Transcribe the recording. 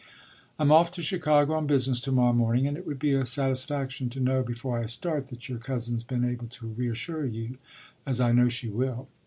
I’m off to Chicago on business to morrow morning, and it would be a satisfaction to know, before I start, that your cousin’s been able to reassure you, as I know she will.